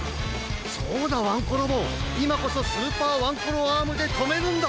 そうだワンコロボいまこそスーパーワンコロアームでとめるんだ！